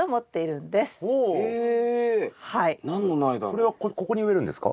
それはここに植えるんですか？